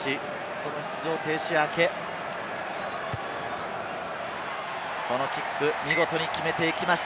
その出場停止明け、このキック、見事に決めていきました。